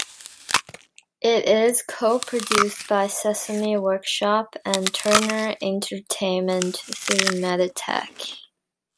It is co-produced by Sesame Workshop and Turner Entertainment, through Miditech.